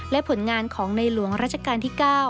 และผลงานของในหลวงราชการที่๙